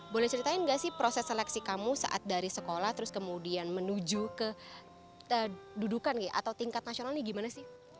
boleh ceritain nggak sih proses seleksi kamu saat dari sekolah terus kemudian menuju ke dudukan atau tingkat nasional ini gimana sih